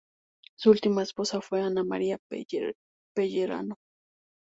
Su última esposa fue Ana María Pellerano.